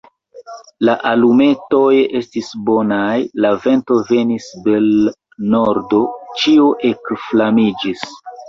La alumetoj estis bonaj: la vento venis de l' nordo, ĉio ekflamiĝis.